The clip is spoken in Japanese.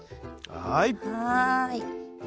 はい。